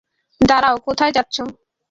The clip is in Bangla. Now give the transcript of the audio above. দাড়াও কোথায় যাচ্ছ?